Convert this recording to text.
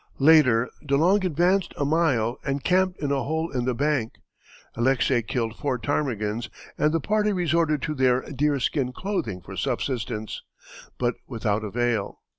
Later De Long advanced a mile and camped in a hole in the bank; Alexey killed four ptarmigans and the party resorted to their deer skin clothing for subsistence, but without avail.